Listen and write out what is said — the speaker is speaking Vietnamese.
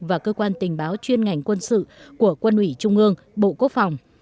và cơ quan tình báo chuyên ngành quân sự của quân ủy trung ương bộ quốc phòng